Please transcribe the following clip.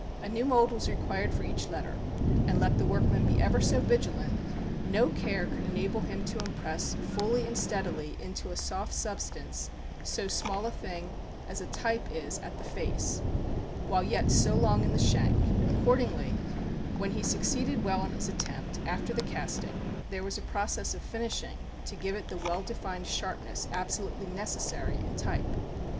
A new mould was required for each letter; and let the workman be ever so vigilant, no care could enable him to impress fully and steadily into a soft substance so small a thing as a type is at the face, while yet so long in the shank; accordingly, when he succeeded well in his attempt, after the casting, there was a process of finishing, to give it the well defined sharpness absolutely necessary in type.